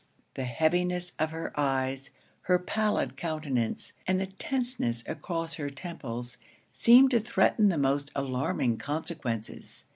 The heaviness of her eyes, her pallid countenance, and the tenseness across her temples, seemed to threaten the most alarming consequences.